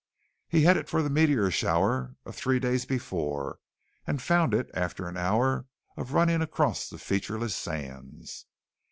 He headed for the meteor shower of three days before, and found it after an hour of running across the featureless sands.